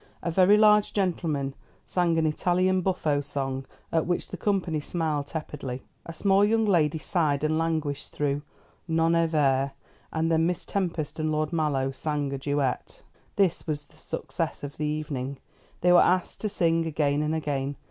A large gentleman sang an Italian buffo song, at which the company smiled tepidly; a small young lady sighed and languished through "Non e ver;" and then Miss Tempest and Lord Mallow sang a duet. This was the success of the evening. They were asked to sing again and again.